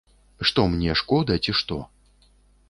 Што мне, шкода, ці што?